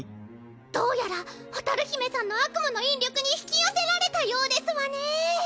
どうやら蛍姫さんの悪夢の引力に引き寄せられたようですわねぇ。